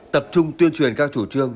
tập trung tuyên truyền các chủ trương